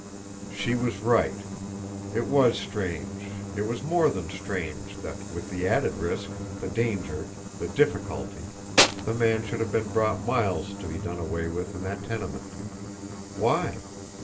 She was right! It was strange, it was more than strange that, with the added risk, the danger, the difficulty, the man should have been brought miles to be done away with in that tenement! Why?